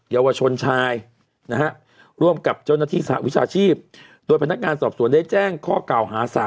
ยาวชนชายร่วมกับเจ้านักที่ศาสตร์วิชาอาชีพโดยพนักงานสอบส่วนได้แจ้งข้อเก่าฮา๓ข้อฮา